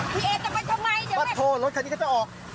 พี่เอจะมาทำไมเดี๋ยวก็โทรรถคันนี้เขาจะออก